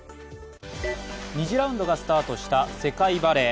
２次ラウンドがスタートした世界バレー。